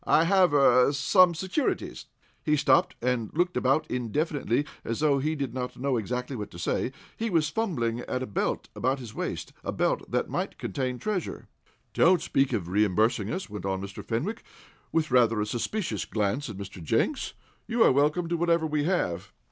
"I have er some securities " He stopped and looked about indefinitely, as though he did not know exactly what to say, and he was fumbling at a belt about his waist; a belt that might contain treasure. "Don't speak of reimbursing us," went on Mr. Fenwick, with rather a suspicious glance at Mr. Jenks. "You are welcome to whatever we have."